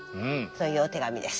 そういうお手紙です。